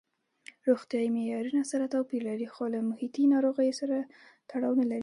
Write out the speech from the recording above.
روغتیايي معیارونه سره توپیر لري خو له محیطي ناروغیو تړاو نه لري.